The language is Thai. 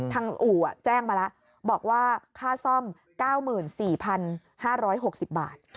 อู่แจ้งมาแล้วบอกว่าค่าซ่อม๙๔๕๖๐บาท